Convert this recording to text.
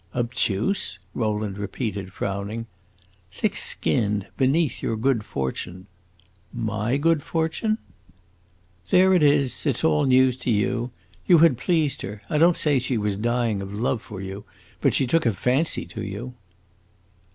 "Obtuse?" Rowland repeated, frowning. "Thick skinned, beneath your good fortune." "My good fortune?" "There it is it 's all news to you! You had pleased her. I don't say she was dying of love for you, but she took a fancy to you."